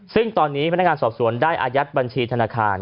ซึ่งตอนนี้พนักงานสอบสวนได้อายัดบัญชีธนาคาร